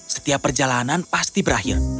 setiap perjalanan pasti berakhir